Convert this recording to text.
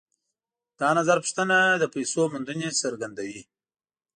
دا نظرپوښتنه د پیسو موندنې څرګندوي